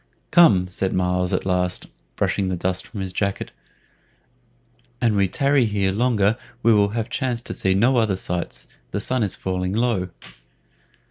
"Come," said Myles at last, brushing the dust from his jacket, "an we tarry here longer we will have chance to see no other sights; the sun is falling low."